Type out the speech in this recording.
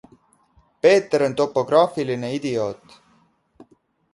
Peeter on topograafiline idioot.